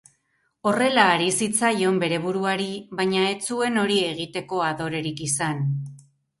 Horrela ari zitzaion bere buruari, baina ez zuen hori egiteko adorerik izan.